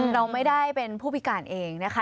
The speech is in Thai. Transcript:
เราไม่ได้เป็นผู้พิการเองนะคะ